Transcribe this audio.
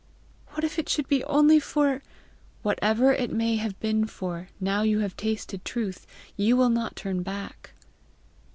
"What if it should be only for " "Whatever it may have been for, now you have tasted truth you will not turn back!"